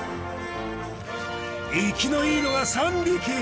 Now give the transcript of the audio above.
生きのいいのが３匹！